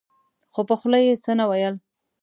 خو په خوله يې څه نه ويل.